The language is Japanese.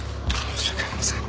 申し訳ありません。